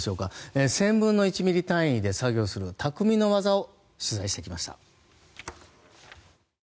１０００分の１ｍｍ単位で作業するたくみの技を取材しました。